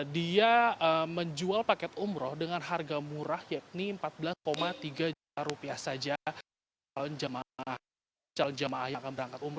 dia menjual paket umroh dengan harga murah yakni rp empat belas tiga juta saja